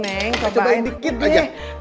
neng cobain dikit deh